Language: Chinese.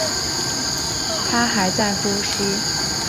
她还在呼吸